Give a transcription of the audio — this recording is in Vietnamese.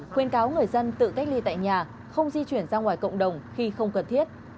khuyên cáo người dân tự cách ly tại nhà không di chuyển ra ngoài cộng đồng khi không cần thiết